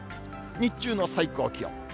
日中の最高気温。